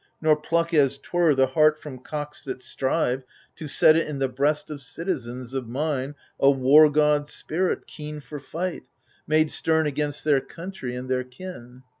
Nor pluck as 'twere the heart from cocks that strive, To set it in the breast of citizens Of mine, a war god's spirit, keen for fight, Made stem against their country and their kin.